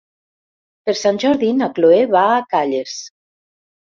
Per Sant Jordi na Cloè va a Calles.